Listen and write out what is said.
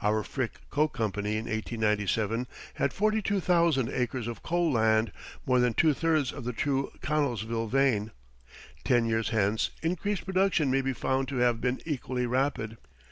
Our Frick Coke Company in 1897 had 42,000 acres of coal land, more than two thirds of the true Connellsville vein. Ten years hence increased production may be found to have been equally rapid.